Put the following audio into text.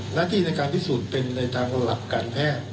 หน้าที่ในการพิสูจน์เป็นในทางระดับการแพทย์